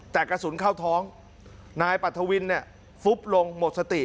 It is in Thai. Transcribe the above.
แต่กระสุนเข้าท้องนายปรัฐวินเนี่ยฟุบลงหมดสติ